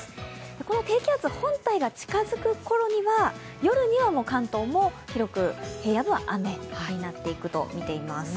この低気圧、本体が近づくころには夜には関東も広く平野部は雨になっていくとみています。